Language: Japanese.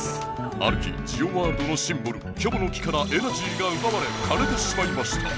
ある日ジオワールドのシンボルキョボの木からエナジーがうばわれかれてしまいました。